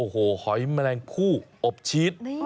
โอ้โหหอยแมลงคู่อบชีส